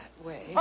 え？